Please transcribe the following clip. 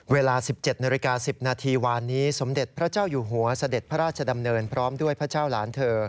เวลา๑๗นาฬิกา๑๐นาทีวานนี้สมเด็จพระเจ้าอยู่หัวเสด็จพระราชดำเนินพร้อมด้วยพระเจ้าหลานเธอ